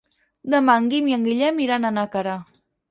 Demà en Guim i en Guillem iran a Nàquera.